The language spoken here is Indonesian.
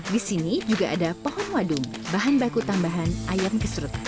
di sini juga ada pohon wadung bahan baku tambahan ayam kesrut